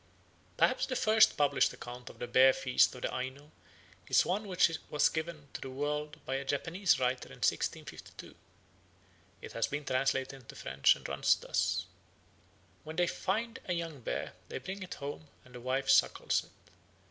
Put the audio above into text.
Perhaps the first published account of the bear feast of the Aino is one which was given to the world by a Japanese writer in 1652. It has been translated into French and runs thus: "When they find a young bear, they bring it home, and the wife suckles it.